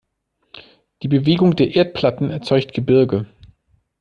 Die Bewegung der Erdplatten erzeugt Gebirge.